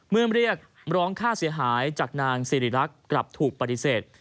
เรียกร้องค่าเสียหายจากนางสิริรักษ์กลับถูกปฏิเสธ